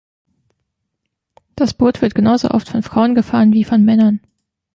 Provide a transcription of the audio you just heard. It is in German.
Das Boot wird genauso oft von Frauen gefahren wie von Männern.